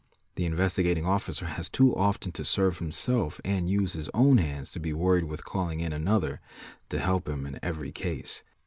The Investigating Officer has too often to serve himself and use his own hands to be worried with calling in another to help him in every case.